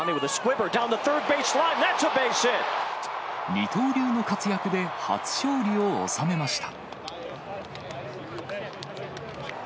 二刀流の活躍で初勝利を収めました。